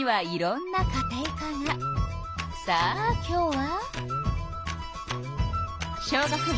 さあ今日は。